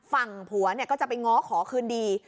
ฝั่งผัวก็จะไปง้อขอคืนดี